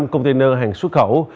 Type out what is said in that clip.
năm container hàng xuất khẩu